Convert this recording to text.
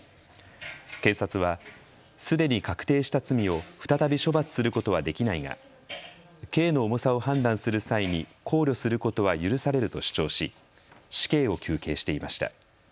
検察は、すでに確定した罪を再び処罰することはできないが刑の重さを判断する際に考慮することは許されると主張し死刑を求刑していました。